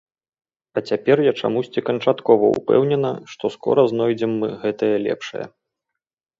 А цяпер я чамусьці канчаткова ўпэўнена, што скора знойдзем мы гэтае лепшае.